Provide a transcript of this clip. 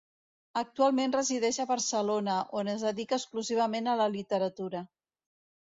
Actualment resideix a Barcelona, on es dedica exclusivament a la literatura.